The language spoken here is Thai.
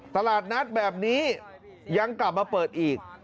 ตลาดนัดแบบนี้ยังกลับมาเปิดอีก